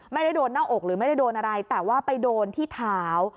ไม่ได้โดนหน้าอกหรือไม่ได้โดนอะไรแต่ว่าไปโดนที่เท้า